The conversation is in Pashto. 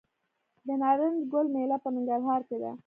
د نارنج ګل میله په ننګرهار کې ده.